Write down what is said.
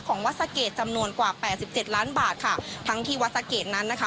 วัดสะเกดจำนวนกว่าแปดสิบเจ็ดล้านบาทค่ะทั้งที่วัดสะเกดนั้นนะคะ